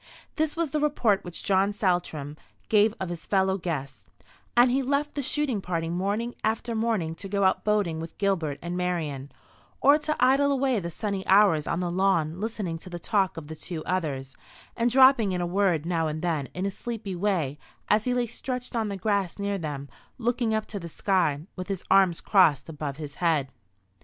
This was the report which John Saltram gave of his fellow guests; and he left the shooting party morning after morning to go out boating with Gilbert and Marian, or to idle away the sunny hours on the lawn listening to the talk of the two others, and dropping in a word now and then in a sleepy way as he lay stretched on the grass near them, looking up to the sky, with his arms crossed above his head.